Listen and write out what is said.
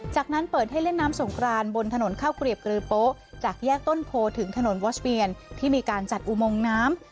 จากนั้นเปิดให้เล่นน้ำสงกรานบนถนนข้าวเกลียบกรือโป๊จากแยกต้นโพถึงถนนวอสเบียนที่มีการจัดอุโมงน้ำ